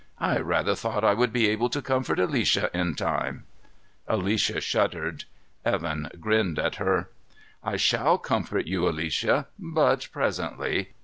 I rather thought I would be able to comfort Alicia, in time." Alicia shuddered. Evan grinned at her. "I shall comfort you, Alicia, but presently.